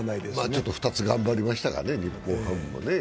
ちょっと２つ頑張りましたかね、日本ハムもね。